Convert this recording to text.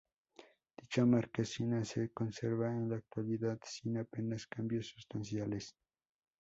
Dicha marquesina se conserva en la actualidad sin apenas cambios sustanciales.